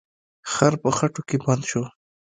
خر په خټو کې بند شو.